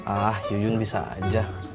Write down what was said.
ah yuyun bisa aja